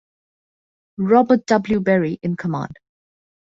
Robert W. Berry in command.